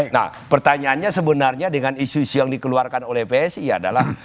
nah pertanyaannya sebenarnya dengan isu isu yang dikeluarkan oleh psi adalah